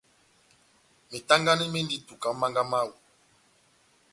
Metangani mendi ó ituka ó mánga mawú.